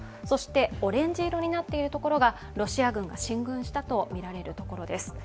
そしてオレンジ色になっているところがロシア軍が進軍したとみられるところです。